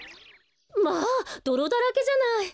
まあどろだらけじゃない。